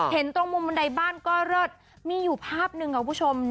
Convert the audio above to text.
เห็นตรงมุมบันไดบ้านก็เลิศมีอยู่ภาพหนึ่งค่ะคุณผู้ชม